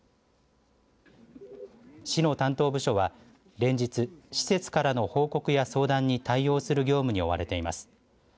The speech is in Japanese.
市の担当部署は連日施設からの報告や相談に対応する業務に追われています。